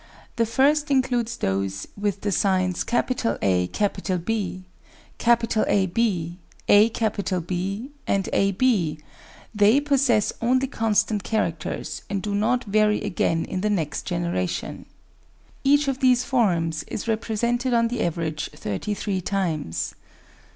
The first includes those with the signs AB, Ab, aB, and ab: they possess only constant characters and do not vary again in the next generation. Each of these forms is represented on the average thirty three times.